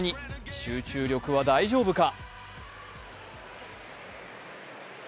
集中力は大丈夫か。